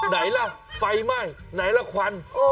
ไหนล่ะไฟไหม้ไหนล่ะควัน